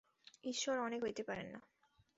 ঈশ্বর অনেক হইতে পারেন না।